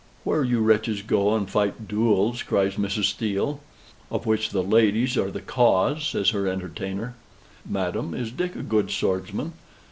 "Where you wretches go and fight duels," cries Mrs. Steele. "Of which the ladies are the cause!" says her entertainer. "Madam, is Dick a good swordsman?